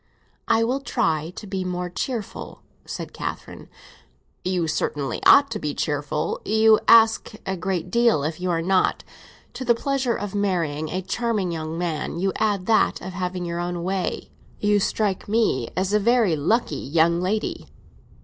"I will try and be more cheerful!" said Catherine. "You certainly ought to be cheerful, you ask a great deal if you are not. To the pleasure of marrying a brilliant young man, you add that of having your own way; you strike me as a very lucky young lady!"